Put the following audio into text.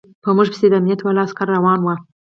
په موږ پسې د امنيت والاو عسکر روان و.